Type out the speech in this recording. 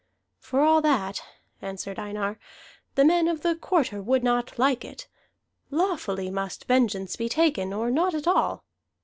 "For all that," answered Einar, "the men of the Quarter would not like it. Lawfully must vengeance be taken, or not at all.